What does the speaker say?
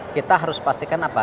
kita harus pastikan apa